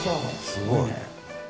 すごいね！